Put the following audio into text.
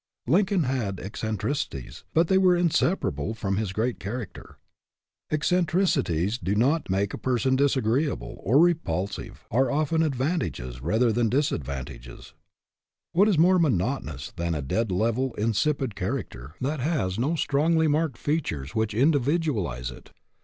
Lincoln had eccentricities, but they were inseparable from his great character. Eccentricities which do not make a person disagreeable or repulsive are often advantage ous rather than disadvantageous. What is more monotonous than a dead level, insipid character, that has no strongly marked features which individualize it?